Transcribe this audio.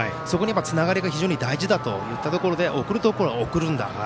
つながりが非常に大事だといったところで送るところは送るんだ。